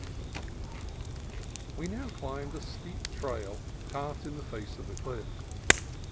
We now climbed a steep trail cut in the face of the cliff.